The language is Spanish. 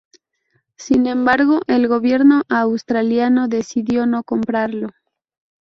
Sin embargo, El gobierno australiano decidió no comprarlo.